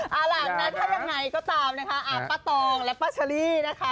เอาล่ะนะถ้ายังไงก็ตามนะคะป้าตองและป้าเชอรี่นะคะ